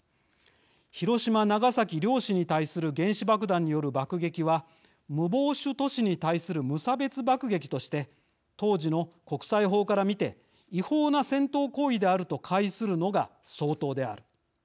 広島・長崎両市に対する原子爆弾による爆撃は無防守都市に対する無差別爆撃として当時の国際法から見て違法な戦闘行為であると解するのが相当である。